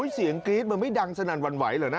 เสียงกรี๊ดมันไม่ดังสนั่นหวั่นไหวเหรอนะ